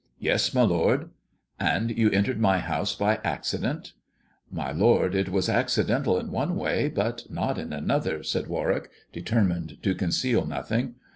"Yea, my lord," " And you entered my house by accident." 64 THE dwarf's chamber " My lord, it was accidental in one way, but not in another," said Warwick, determined to conceal nothing.